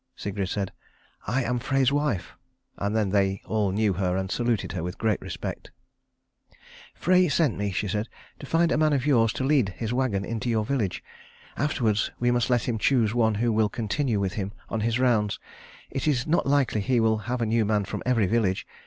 Sigrid said, "I am Frey's wife." And then they all knew her and saluted her with great respect. "Frey sent me," said she, "to find a man of yours to lead his wagon into your village. Afterwards we must let him choose one who will continue with him on his rounds. It is not likely he will have a new man from every village.